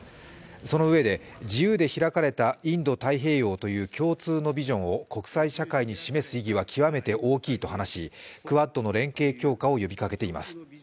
そのうえで、自由で開かれたインド太平洋という共通のビジョンを国際社会に示す意義は極めて大きいと話しクアッドの連携強化を呼びかけています。